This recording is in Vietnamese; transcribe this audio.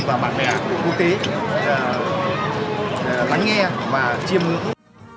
bạn bè quốc tế bánh nghe và chiêm mưu